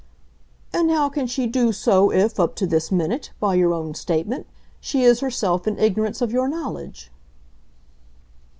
"And how can she do so if, up to this minute, by your own statement, she is herself in ignorance of your knowledge?"